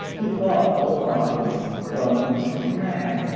He bought old bottles, bones, and rags.